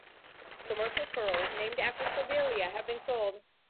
Commercial pearls named after Servilia have been sold.